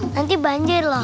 nanti banjir loh